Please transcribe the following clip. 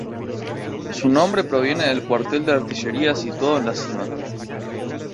Su nombre proviene del Cuartel de Artillería situado en la cima.